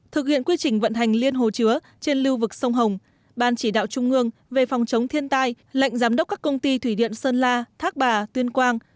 thực hiện quy trình vận hành liên hồ chứa trên lưu vực sông hồng ban chỉ đạo trung ương về phòng chống thiên tai lệnh giám đốc các công ty thủy điện sơn la thác bà tuyên quang